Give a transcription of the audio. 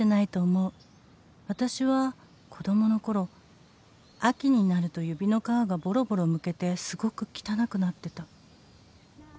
「私は子供のころ秋になると指の皮がボロボロむけてすごく汚くなってた」